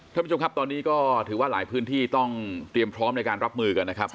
ท่านผู้ชมครับตอนนี้ก็ถือว่าหลายพื้นที่ต้องเตรียมพร้อมในการรับมือกันนะครับ